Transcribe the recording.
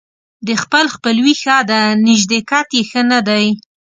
د خپل خپلوي ښه ده ، نژدېکت يې ښه نه دى.